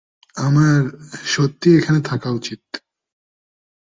আমার সত্যিই এখানে থাকা উচিত।